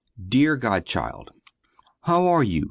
Deer godchild, How are you?